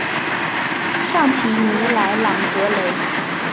尚皮尼莱朗格雷。